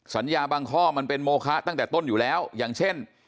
บางข้อมันเป็นโมคะตั้งแต่ต้นอยู่แล้วอย่างเช่น